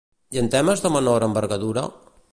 I en temes de menor envergadura?